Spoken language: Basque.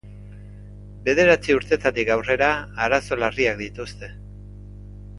Bederatzi urtetatik aurrera arazo larriak dituzte.